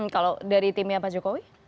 kalau dari timnya pak jokowi